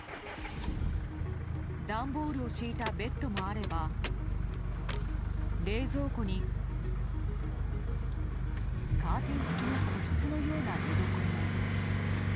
段ボールを敷いたベッドもあれば冷蔵庫に、カーテン付きの個室のような寝床も。